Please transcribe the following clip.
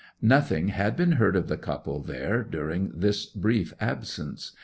'Nothing had been heard of the couple there during this brief absence.